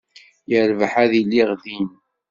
Yerbeḥ, ad iliɣ din.